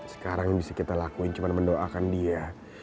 sekarang yang bisa kita lakuin cuma mendoakan dia